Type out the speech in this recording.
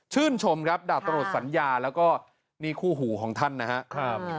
ชมครับดาบตำรวจสัญญาแล้วก็นี่คู่หูของท่านนะครับ